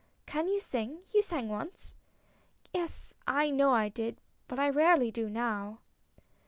" Can you sing? You sang once." " Yes, I know I did, but I rarely do now."